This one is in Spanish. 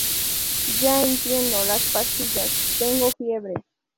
ya, entiendo. las pastillas, tengo fiebre...